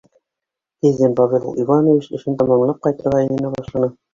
Тиҙҙән Павел Иванович эшен тамамлап ҡайтырға йыйына башланы.